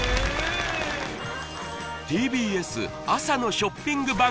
ＴＢＳ朝のショッピング